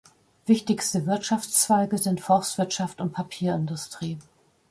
Wichtigste Wirtschaftszweige sind Forstwirtschaft und Papierindustrie.